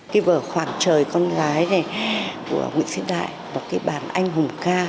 cái vợ khoảng trời con gái này của nguyễn sĩ đại là cái bản anh hùng ca